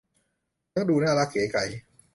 ทั้งดูน่ารักเก๋ไก๋